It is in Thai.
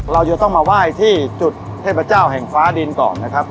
เราจะต้องมาไหว้ที่จุดเทพเจ้าแห่งฟ้าดินก่อนนะครับ